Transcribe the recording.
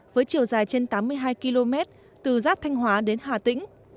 với chiều dài trên tám mươi hai km từ rác thanh hóa đến hà tĩnh